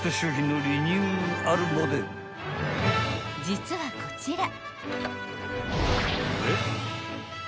［実はこちら］